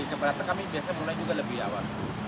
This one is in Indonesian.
keberatan kami biasanya mulai juga lebih awal